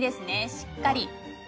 しっかり。